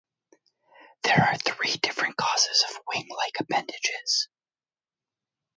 There are three different causes of wing-like appendages.